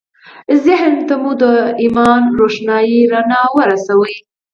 ذهن ته مو د ایمان روښانه رڼا ورسوئ